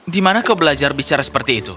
di mana kau belajar bicara seperti itu